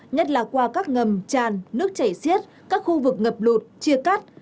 nhất là qua các ngầm tràn nước chảy xiết các khu vực ngập lụt chia cắt